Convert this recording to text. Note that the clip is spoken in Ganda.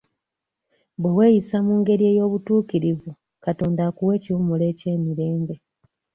Bwe weeyisa mu ngeri ey'obutuukirivu Katonda akuwa ekiwummulo eky'emirembe.